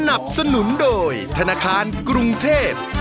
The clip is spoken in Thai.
สนับสนุนโดยธนาคารกรุงเทพ